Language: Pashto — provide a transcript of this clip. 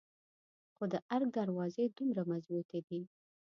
خو د ارګ دروازې دومره مظبوتې دي.